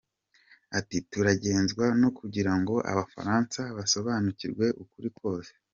Ati “Turagenzwa no kugirango Abafaransa basobanukirwe ukuri kose”.